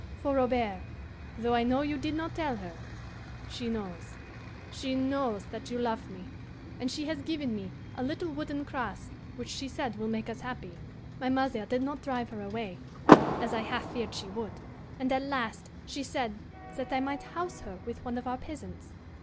For, Robert, though I know you did not tell her, she knows she knows that you love me, and she has given me a little wooden cross which she said will make us happy. "My mother did not drive her away, as I half feared she would, and at last she said that I might house her with one of our peasants.